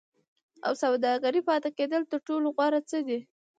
او سوداګرۍ پاتې کېدل تر ټولو غوره څه دي.